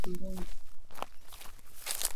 chokoleti hudhurungi